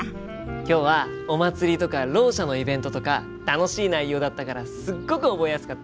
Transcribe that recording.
今日はお祭りとかろう者のイベントとか楽しい内容だったからすっごく覚えやすかったよ。